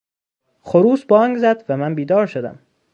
خروس بانگ زد و من بیدار شدم.